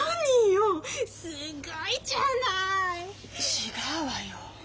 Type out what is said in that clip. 違うわよ。